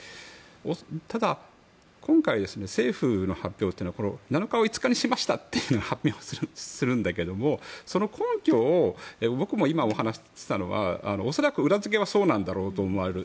ただ、今回政府の発表というのは７日を５日にしましたと発表をするんだけれどその根拠を今、僕もお話したのは恐らく裏付けはそうなんだろうと思われる。